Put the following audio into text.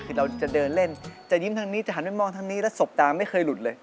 คือเราจะเดินเล่นจะยิ้มทางนี้จะหันไปมองทางนี้แล้วสบตาไม่เคยหลุดเลย